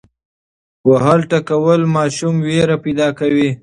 وهل ټکول ماشوم ویره پیدا کوي.